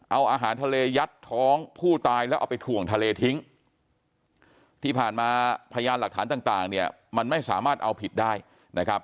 เอาอาหารทะเลยัดท้องผู้ตายแล้วเอาไปถ่วงทะเลทิ้งที่ผ่านมาพยานหลักฐานต่างเนี่ยมันไม่สามารถเอาผิดได้นะครับ